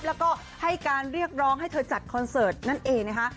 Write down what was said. แล้วก็ให้การเรียกร้องให้เธอจัดคอนเสิร์ตนั่นเองนะคะ